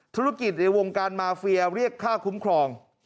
ธุรกิจในวงการมาเฟียเรียกค่าคุ้มครอง